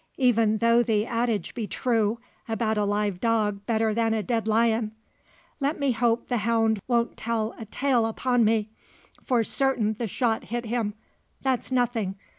Even though the adage be true about a live dog better than a dead lion. Let me hope the hound won't tell a tale upon me. For certain the shot hit him. That's nothing.